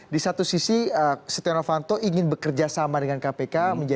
di satu sisi setia novanto ingin bekerja sama dengan kpk